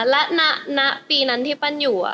และณปีนั้นที่ปั้นอยู่